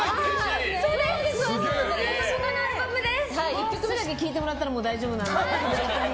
１曲目だけ聴いてもらったら大丈夫なんで。